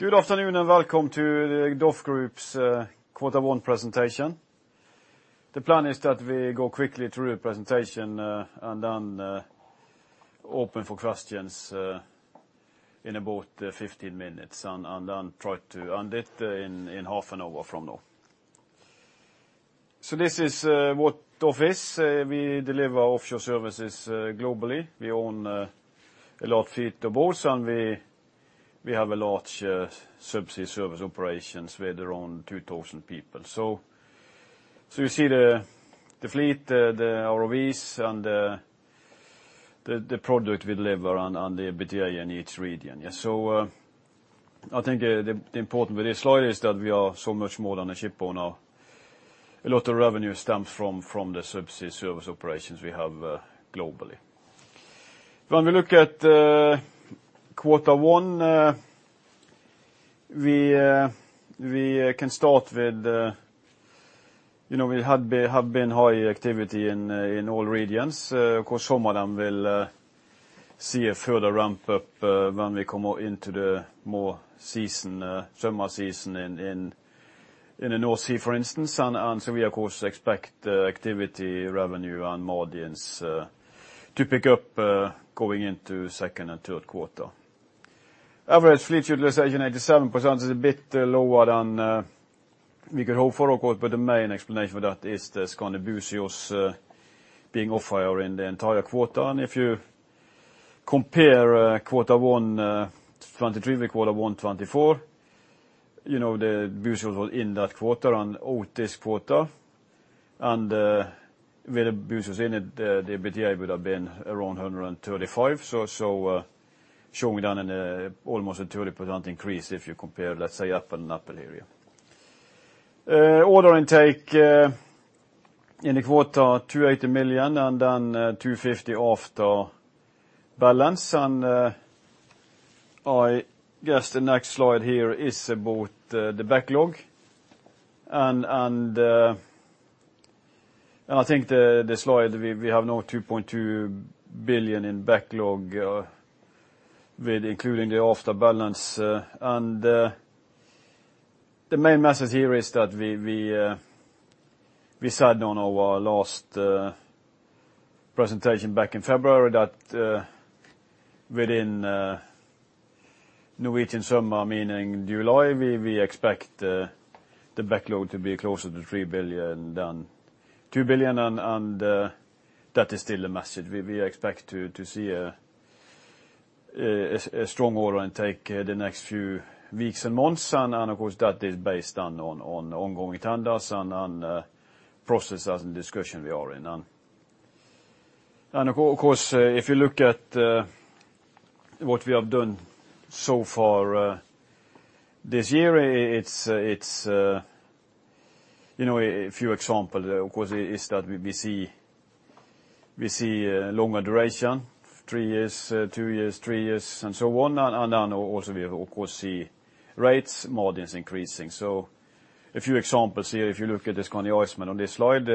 Good afternoon, and welcome to the DOF Group's Quarter One Presentation. The plan is that we go quickly through the presentation, and then open for questions in about 15 minutes, and then try to end it in half an hour from now. So this is what DOF is. We deliver offshore services globally. We own a large fleet of boats, and we have a large subsea service operations with around 2,000 people. So you see the fleet, the ROVs, and the product we deliver on the EBITDA in each region. Yeah, so I think the important with this slide is that we are so much more than a shipowner. A lot of revenue stems from the subsea service operations we have globally. When we look at quarter one, we can start with you know, we have had high activity in all regions. Of course, some of them will see a further ramp up when we come more into the summer season in the North Sea, for instance. So we of course expect activity, revenue and margins to pick up going into second and third quarter. Average fleet utilization 87% is a bit lower than we could hope for, of course, but the main explanation for that is the Skandi Buzios being off-hire in the entire quarter. If you compare quarter one 2023 with quarter one 2024, you know, the Buzios was in that quarter and out this quarter. With the Buzios in it, the EBITDA would have been around $135 million. So, showing an almost 30% increase if you compare, let's say, apples to apples here, yeah. Order intake in the quarter, $280 million, and then $250 million after balance. I guess the next slide here is about the backlog. And I think the slide we have now $2.2 billion in backlog, with including the after balance. The main message here is that we said on our last presentation back in February that within Norwegian summer, meaning July, we expect the backlog to be closer to $3 billion than $2 billion, and that is still a message. We expect to see a strong order intake the next few weeks and months, and of course, that is based on ongoing tenders and processes and discussions we are in. And of course, if you look at what we have done so far this year, it's you know, a few examples, of course, is that we see longer duration, three years, two years, three years, and so on. And then also we of course see rates margins increasing. So a few examples here, if you look at the Skandi Iceman on this slide,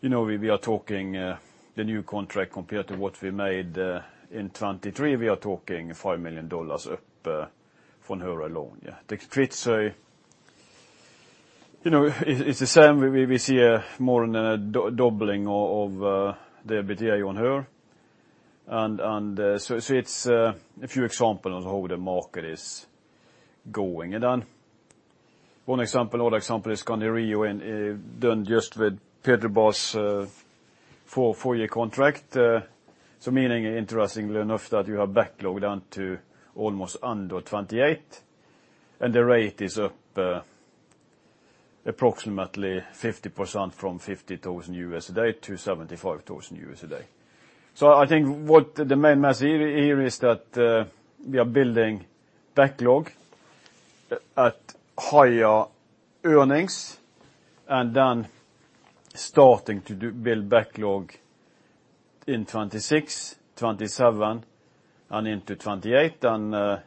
you know, we are talking the new contract compared to what we made in 2023. We are talking $5 million up, from her alone, yeah. The Skandis, you know, it, it's the same. We see a more than a doubling of the EBITDA on her, and so it's a few examples of how the market is going. Then one example, other example, is Skandi Rio, and done just with Petrobras for 4-year contract. So meaning, interestingly enough, that you have backlog down to almost under 2028, and the rate is up approximately 50% from $50,000 a day-$75,000 a day. So I think what the main message here is that we are building backlog at higher earnings, and then starting to build backlog in 2026, 2027, and into 2028. And,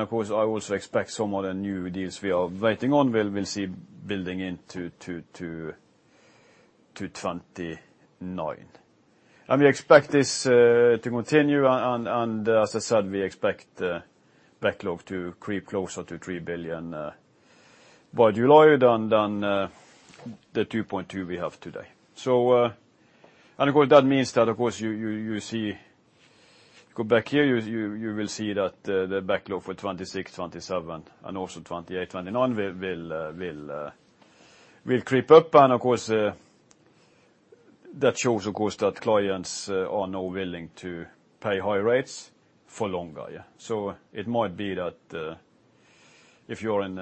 of course, I also expect some of the new deals we are waiting on, we'll see building into 2029. And we expect this to continue, and, as I said, we expect the backlog to creep closer to $3 billion by July than the $2.2 billion we have today. So, and of course, that means that, of course, you see. Go back here, you will see that, the backlog for 2026, 2027, and also 2028, 2029, will creep up. And, of course, that shows, of course, that clients are now willing to pay high rates for longer, yeah. So it might be that, if you're in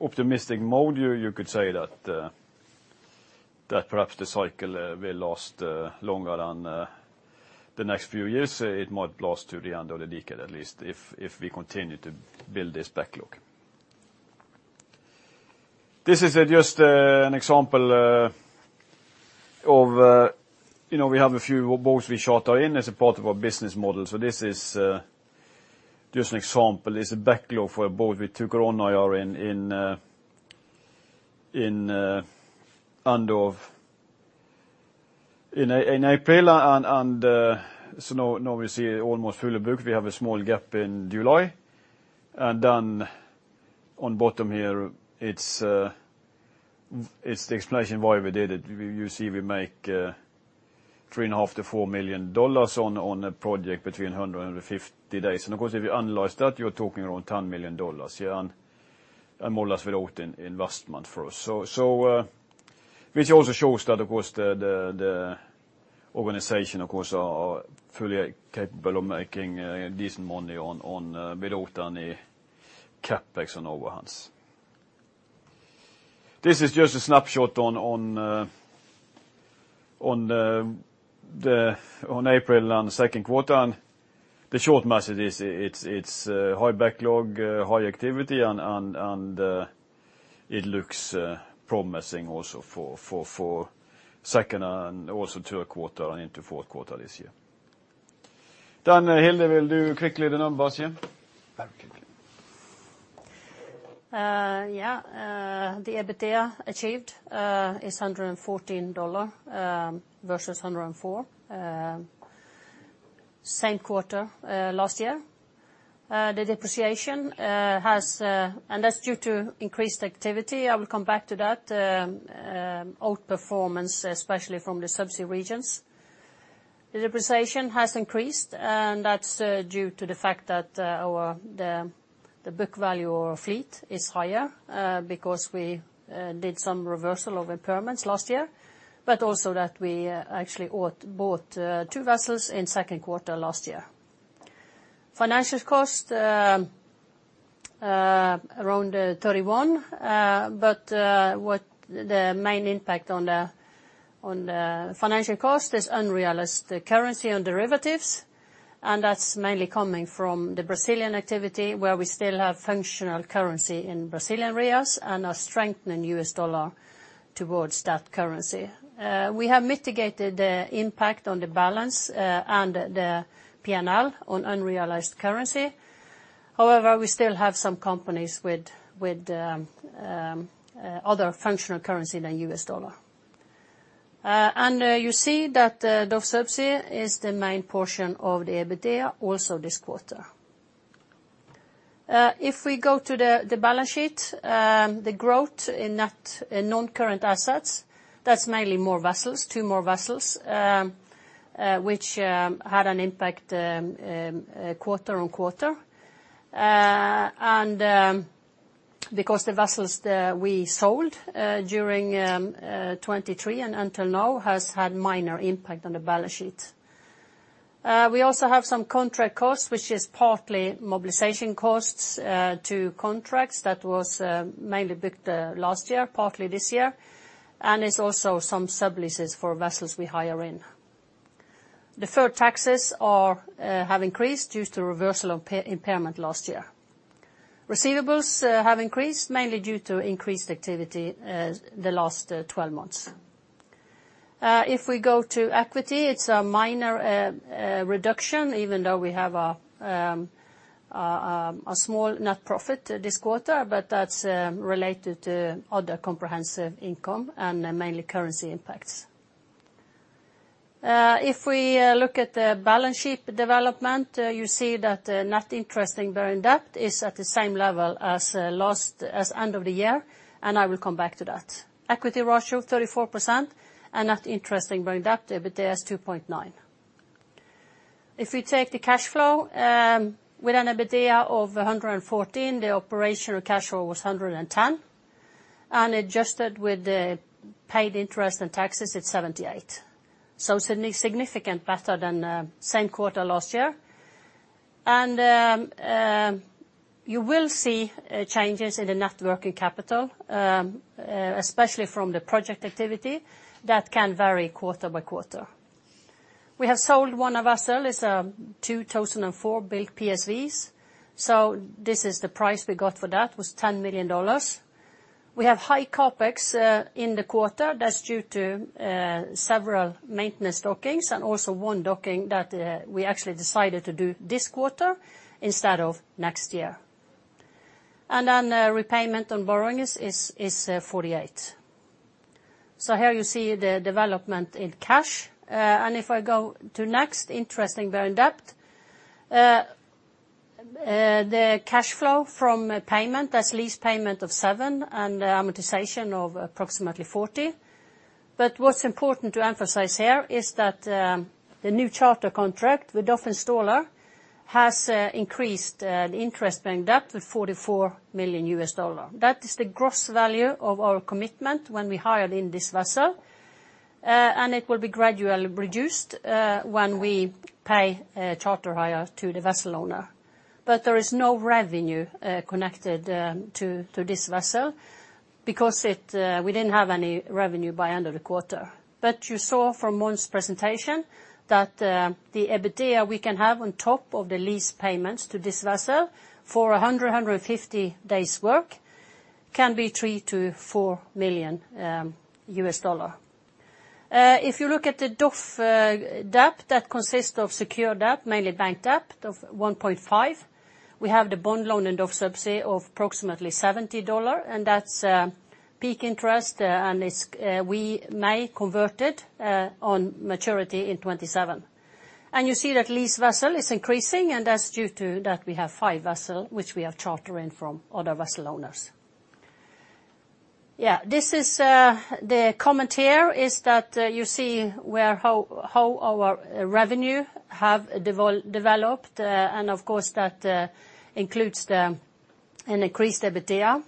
optimistic mode, you could say that that perhaps the cycle will last longer than the next few years. It might last to the end of the decade, at least, if we continue to build this backlog. This is just an example of you know, we have a few boats we charter in as a part of our business model. So this is just an example. It's a backlog for a boat we took on in April and so now we see almost fully booked. We have a small gap in July, and then on bottom here, it's the explanation why we did it. You see we make $3.5-$4 million on a project between 150 days. And, of course, if you analyze that, you're talking around $10 million, and more or less without investment for us. So which also shows that, of course, the organization is fully capable of making decent money without any CapEx on overruns. This is just a snapshot on April on the second quarter. And the short message is it's high backlog, high activity, and it looks promising also for second and third quarter and into fourth quarter this year. Then, Hilde, will you quickly the numbers here? Very quickly. Yeah. The EBITDA achieved is $114 versus $104 same quarter last year. The depreciation has increased, and that's due to increased activity. I will come back to that. Outperformance, especially from the subsea regions. The depreciation has increased, and that's due to the fact that the book value of our fleet is higher because we did some reversal of impairments last year, but also that we actually bought two vessels in second quarter last year. Financial cost around $31, but what the main impact on the financial cost is unrealized currency on derivatives, and that's mainly coming from the Brazilian activity, where we still have functional currency in Brazilian reais and a strengthening US dollar towards that currency. We have mitigated the impact on the balance, and the P&L on unrealized currency. However, we still have some companies with other functional currency than US dollar. You see that the Subsea is the main portion of the EBITDA also this quarter. If we go to the balance sheet, the growth in net non-current assets, that's mainly more vessels, two more vessels, which had an impact quarter-on-quarter. Because the vessels that we sold during 2023 and until now has had minor impact on the balance sheet. We also have some contract costs, which is partly mobilization costs to contracts that was mainly booked last year, partly this year, and it's also some subleases for vessels we hire in. Deferred taxes have increased due to reversal of impairment last year. Receivables have increased, mainly due to increased activity the last 12 months. If we go to equity, it's a minor reduction, even though we have a small net profit this quarter, but that's related to other comprehensive income and mainly currency impacts. If we look at the balance sheet development, you see that net interest-bearing debt is at the same level as end of last year, and I will come back to that. Equity ratio 34%, and net interest-bearing debt the EBITDA is 2.9. If we take the cash flow with an EBITDA of $114, the operational cash flow was $110, and adjusted with the paid interest and taxes, it's $78, so significantly better than same quarter last year. You will see changes in the net working capital, especially from the project activity. That can vary quarter by quarter. We have sold one of our vessel. It's a 2004-built PSVs, so this is the price we got for that, was $10 million. We have high CapEx in the quarter. That's due to several maintenance dockings and also one docking that we actually decided to do this quarter instead of next year. Then repayment on borrowings is $48. Here you see the development in cash. If I go next to interest-bearing debt, the cash flow from a payment, that's lease payment of $7 and amortization of approximately $40. But what's important to emphasize here is that the new charter contract with Maersk Installer has increased the interest-bearing debt with $44 million. That is the gross value of our commitment when we hired in this vessel, and it will be gradually reduced when we pay a charter hire to the vessel owner. But there is no revenue connected to this vessel because we didn't have any revenue by end of the quarter. But you saw from Mons' presentation that the EBITDA we can have on top of the lease payments to this vessel for 100-150 days' work can be $3 million-$4 million. If you look at the DOF debt, that consists of secure debt, mainly bank debt, of 1.5. We have the bond loan in DOF Subsea of approximately $70, and that's PIK interest, and it's we may convert it on maturity in 2027. And you see that lease vessel is increasing, and that's due to that we have five vessels, which we are chartering from other vessel owners. Yeah, this is the comment here is that you see where, how our revenue have developed, and of course, that includes an increased EBITDA.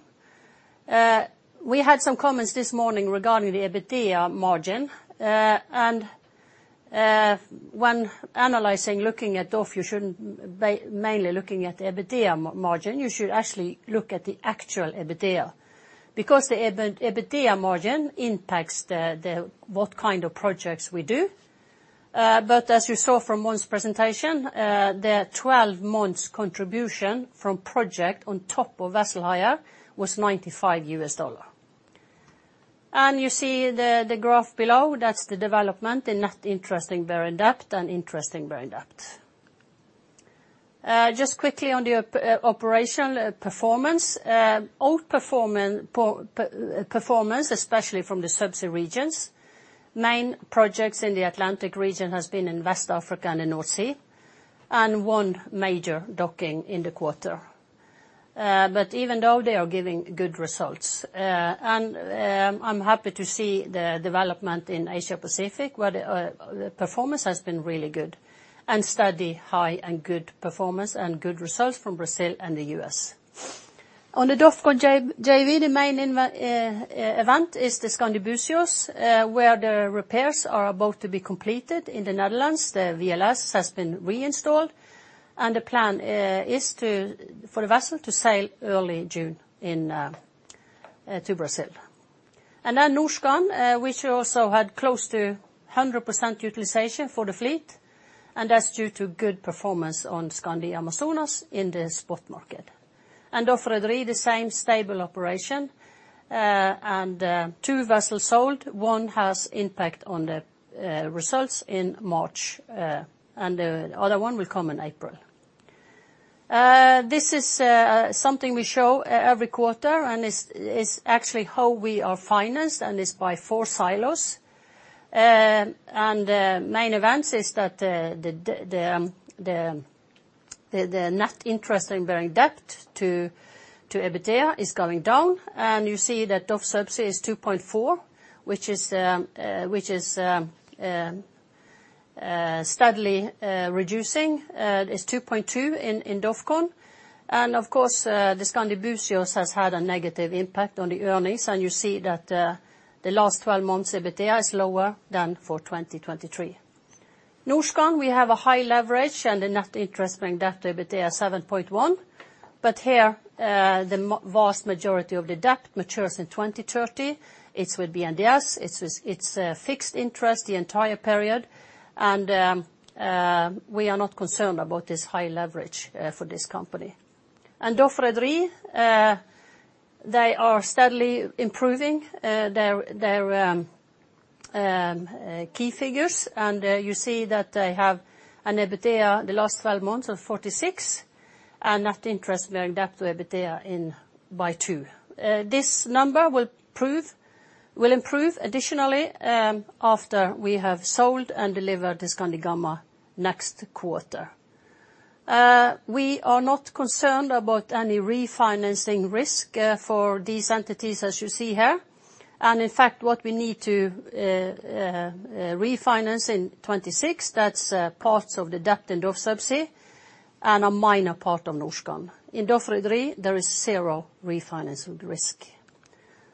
We had some comments this morning regarding the EBITDA margin. When analyzing, looking at DOF, you shouldn't mainly looking at the EBITDA margin. You should actually look at the actual EBITDA, because the EBITDA margin impacts the, the, what kind of projects we do. As you saw from Mons' presentation, the 12 months contribution from project on top of vessel hire was $95. You see the graph below, that's the development in net interest-bearing debt and interest-bearing debt. Just quickly on the operational performance. Overall performance, especially from the Subsea regions, main projects in the Atlantic region has been in West Africa and the North Sea, and one major docking in the quarter. Even though, they are giving good results. I'm happy to see the development in Asia Pacific, where the performance has been really good, and steady high and good performance, and good results from Brazil and the U.S. On the DOFCON JV, the main event is the Skandi Buzios, where the repairs are about to be completed in the Netherlands. The VLS has been reinstalled, and the plan is for the vessel to sail early June into Brazil. Then Norskan, which also had close to 100% utilization for the fleet, and that's due to good performance on Skandi Amazonas in the spot market. DOF Rederi, the same stable operation, and two vessels sold. One has impact on the results in March, and the other one will come in April. This is something we show every quarter, and it's actually how we are financed, and it's by four silos. Main event is that the net interest-bearing debt to EBITDA is going down, and you see that DOF Subsea is 2.4, which is steadily reducing. It's 2.2 in DOF Group. And of course, the Skandi Buzios has had a negative impact on the earnings, and you see that the last 12 months, EBITDA is lower than for 2023. Norskan, we have a high leverage, and the net interest-bearing debt to EBITDA, 7.1, but here, the vast majority of the debt matures in 2030. It will be BNDES, it's a fixed interest the entire period, and we are not concerned about this high leverage for this company. DOF Rederi, they are steadily improving their key figures, and you see that they have an EBITDA over the last 12 months of $46, and net interest-bearing debt to EBITDA of 2x. This number will improve additionally after we have sold and delivered the Skandi Gamma next quarter. We are not concerned about any refinancing risk for these entities, as you see here. In fact, what we need to refinance in 2026, that's parts of the debt in DOF Subsea, and a minor part of Norskan. In DOF Rederi, there is 0 refinancing risk.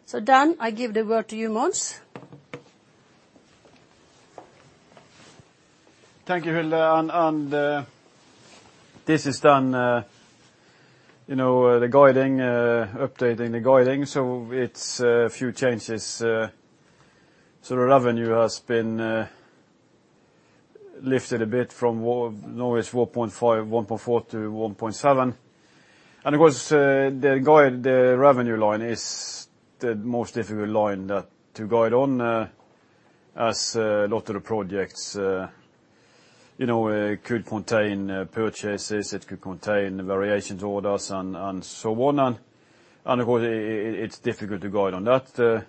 So done, I give the word to you, Mons. Thank you, Hilde, and this is done, you know, the guiding, updating the guiding, so it's a few changes. The revenue has been lifted a bit from, now it's $1.5 billion-$1.7 billion. Of course, the revenue line is the most difficult line to guide on, as a lot of the projects, you know, could contain purchases, it could contain variation orders, and so on. Of course, it's difficult to guide on that.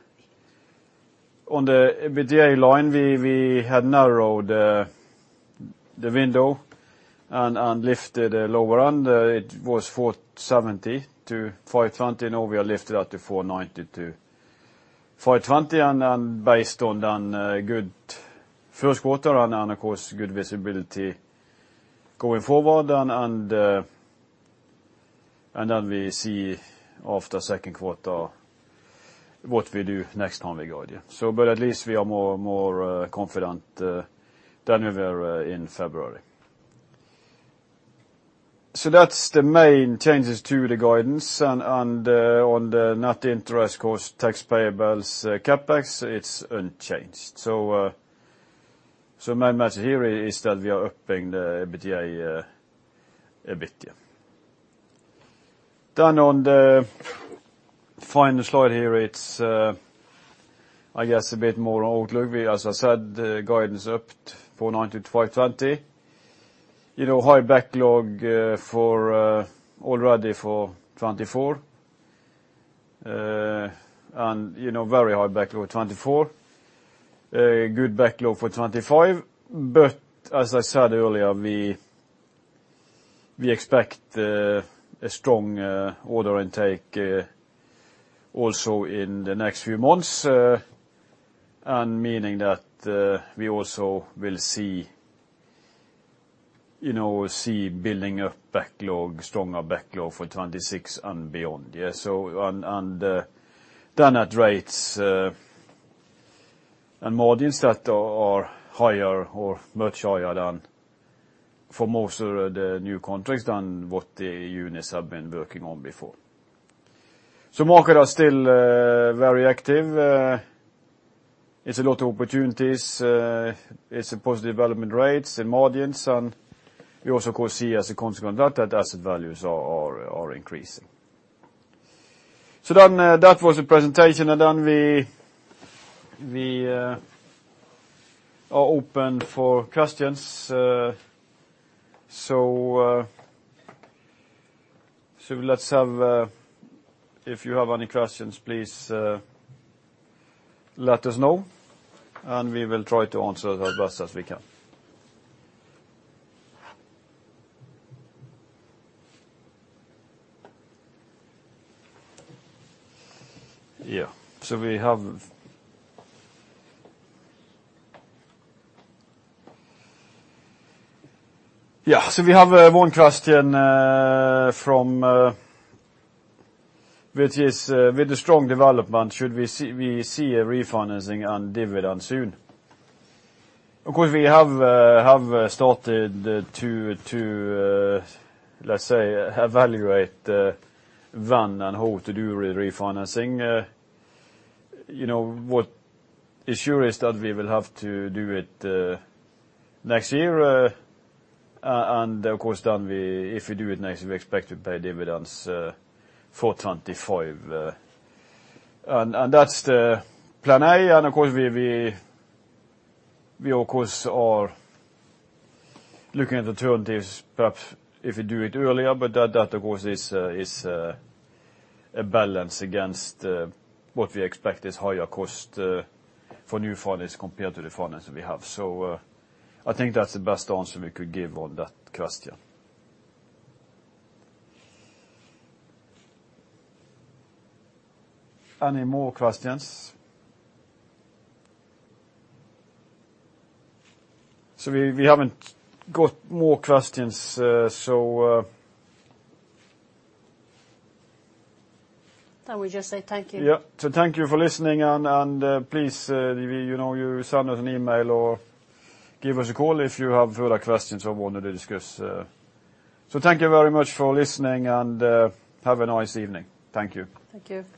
On the EBITDA line, we had narrowed the window and lifted the lower end. It was $470 million-$520 million, now we have lifted up to $490 million-$520 million, and based on good first quarter and of course good visibility going forward, and then we see after second quarter what we do next time we guide you. So but at least we are more confident than we were in February. So that's the main changes to the guidance, and on the net interest cost, tax payables, CapEx, it's unchanged. So main message here is that we are upping the EBITDA a bit, yeah. Then on the final slide here, it's I guess a bit more on outlook. We, as I said, the guidance upped $490 million-$520 million. You know, high backlog for already for 2024. And, you know, very high backlog 2024. Good backlog for 2025, but as I said earlier, we expect a strong order intake also in the next few months, and meaning that we also will see, you know, see building of backlog, stronger backlog for 2026 and beyond. Yeah, so and, and, then at rates and margins that are higher or much higher than for most of the new contracts than what the units have been working on before. So market are still very active. It's a lot of opportunities, it's a positive development rates and margins, and we also, of course, see as a consequence of that, that asset values are increasing. So then, that was the presentation, and then we are open for questions. So, so let's have... If you have any questions, please let us know and we will try to answer as best as we can. Yeah, so we have one question from which is with the strong development, should we see a refinancing and dividend soon? Of course, we have started to, let's say, evaluate when and how to do refinancing. You know, what is sure is that we will have to do it next year, and of course, then we, if we do it next year, we expect to pay dividends for 2025. And that's the plan A, and of course, we of course are looking at alternatives, perhaps if we do it earlier, but that of course is a balance against what we expect is higher cost for new finance compared to the finance we have. So, I think that's the best answer we could give on that question. Any more questions? So we haven't got more questions, so. Then we just say thank you. Yeah. So thank you for listening, and, and, please, we, you know, you send us an email or give us a call if you have further questions or wanted to discuss... So thank you very much for listening, and, have a nice evening. Thank you. Thank you.